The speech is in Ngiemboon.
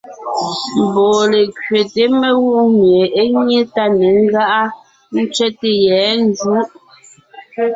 Mbɔɔ lékẅéte mengwòŋ mie é nyé tá ne ńgáʼa, ńtsẅɛ́te yɛ̌ njǔ.